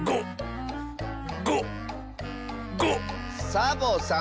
サボさん